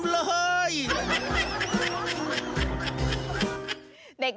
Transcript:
ลำเลย